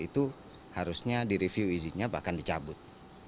itu harusnya di review izinnya bahkan dicabut